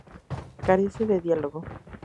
Carece de diálogo.